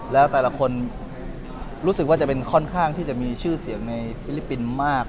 แล้วแต่ละคนรู้สึกว่าจะเป็นค่อนข้างที่จะมีชื่อเสียงในฟิลิปปินส์มาก